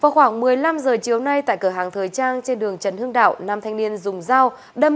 vào khoảng một mươi năm h chiều nay tại cửa hàng thời trang trên đường trần hương đạo năm thanh niên dùng dao